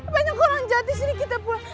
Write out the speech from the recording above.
kenapa orang jatuh disini kita pulang